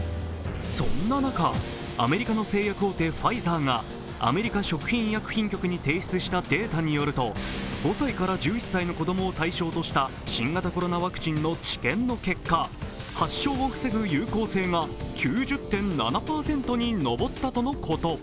そんな中、アメリカの製薬大手ファイザーがアメリカ食品医薬品局に提出したデータによると５歳から１１歳の子供を対象とした新型コロナワクチンの治験の結果、発症を防ぐ有効性が９０．７％に上ったとのこと。